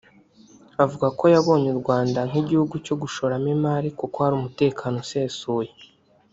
avuga ko yabonye u Rwanda nk’ igihugu cyo gushoramo imari kuko hari umutekano usesuye